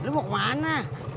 he lu mau kemana